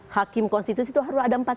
hakim konstitusi itu harus ada